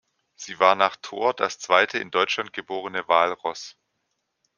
Sie war nach "Thor" das zweite in Deutschland geborene Walross.